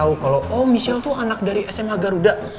mereka tahu kalau michelle itu anak dari sma garuda